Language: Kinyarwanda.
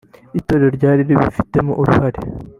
itorero ryari ribifitemo uruhare